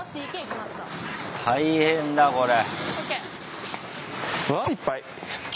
大変だこれ。